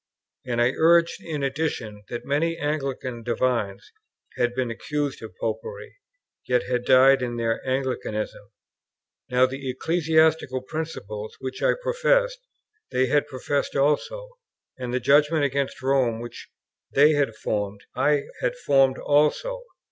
And I urged in addition, that many Anglican divines had been accused of Popery, yet had died in their Anglicanism; now, the ecclesiastical principles which I professed, they had professed also; and the judgment against Rome which they had formed, I had formed also.